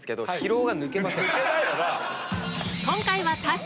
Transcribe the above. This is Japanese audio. ［今回は］